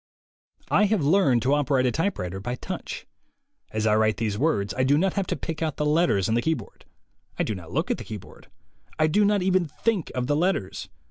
I have learned to operate a typewriter by touch. As I write these words, I do not have to pick out the letters on the keyboard. I do not look at the keyboard. I do not even think of the letters.